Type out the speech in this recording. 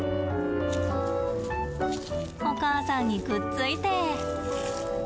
お母さんにくっついて。